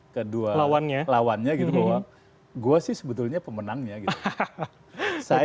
kedua lawannya lawannya gitu gua sih sebetulnya pemenangnya gitu hahaha hahaha hahaha hahaha